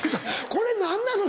これ何なの？